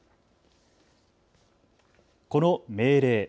この命令。